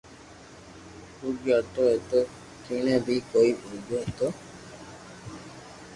ڀوگيو ھتو ايتو ڪيڻي ڀي ڪوئي ڀوگيو ھوئي